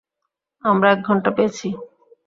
আমরা এক ঘন্টা পেয়েছি।